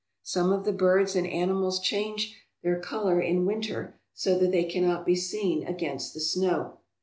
Some of the birds and animals change their colour in winter so that they cannot be seen against the snow.